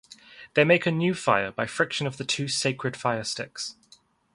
They make a new fire by friction of the two sacred fire-sticks.